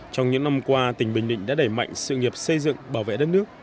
trong những năm qua tỉnh bình định đã đẩy mạnh sự nghiệp xây dựng bảo vệ đất nước